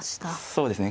そうですね。